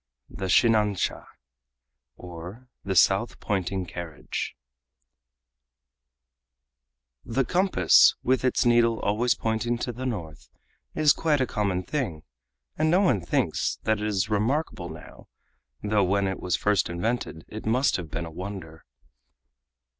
THE "SHINANSHA," OR THE SOUTH POINTING CARRIAGE The compass, with its needle always pointing to the North, is quite a common thing, and no one thinks that it is remarkable now, though when it was first invented it must have been a wonder.